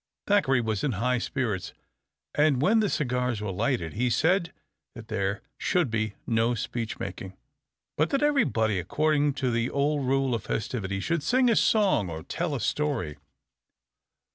Thackeray was in high spirits, and when the cigars were lighted he said that there should be no speech making, but that everybody, according to the old rule of festivity, should sing a song or tell a story.